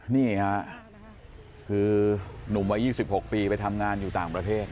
นี่ค่ะคือหนุ่มวัย๒๖ปีไปทำงานอยู่ต่างประเทศ